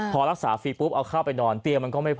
พอรักษาฟรีปุ๊บเอาเข้าไปนอนเตียงมันก็ไม่พอ